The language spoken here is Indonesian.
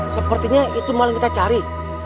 sepertinya itu maling kita cari